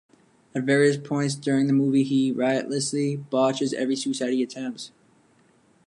At various points during the movie, he riotously botches every suicide he attempts.